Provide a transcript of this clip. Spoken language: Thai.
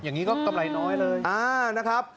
อย่างนี้ก็กำไรน้อยเลย